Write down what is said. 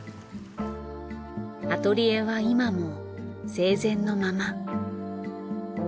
アトリエは今も生前のまま。